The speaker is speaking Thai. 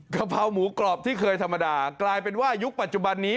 กะเพราหมูกรอบที่เคยธรรมดากลายเป็นว่ายุคปัจจุบันนี้